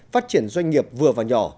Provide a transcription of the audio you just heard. phát triển doanh nghiệp vừa và nhỏ